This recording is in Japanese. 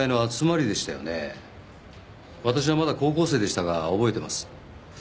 私はまだ高校生でしたが覚えています。